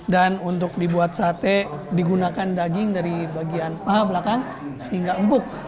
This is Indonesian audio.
dan untuk dibuat sate digunakan daging dari bagian paha belakang sehingga empuk